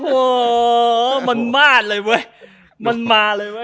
โอ้โหมันมาดเลยเว้ยมันมาเลยเว้